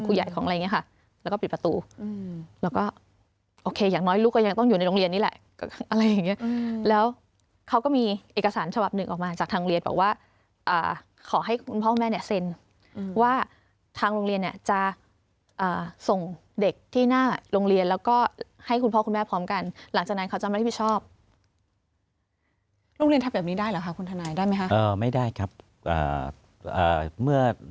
คุณคุณใหญ่ของอะไรอย่างเงี้ยค่ะแล้วก็ปิดประตูแล้วก็โอเคอย่างน้อยลูกก็ยังต้องอยู่ในโรงเรียนนี่แหละอะไรอย่างเงี้ยแล้วเขาก็มีเอกสารฉวับหนึ่งออกมาจากทางเรียนบอกว่าอ่าขอให้คุณพ่อคุณแม่เนี่ยเซ็นว่าทางโรงเรียนเนี่ยจะอ่าส่งเด็กที่หน้าโรงเรียนแล้วก็ให้คุณพ่อคุณแม่พร้อมกันหลังจากนั้นเขาจะไม่ม